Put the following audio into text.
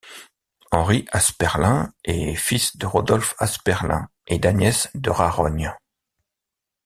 Henri Asperlin est fils de Rodolphe Asperlin et d'Agnès de Rarogne.